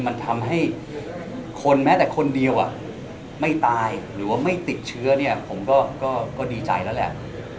มันทำให้คนแม้แต่คนเดียวไม่ตายหรือว่าไม่ติดเชื้อเนี่ยผมก็ดีใจแล้วแหละ